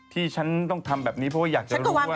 ที่ฉันต้องทำแบบนี้เพราะว่าอยากจะรู้ว่า